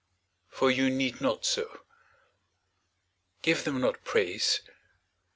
For you need not so. Give them not praise.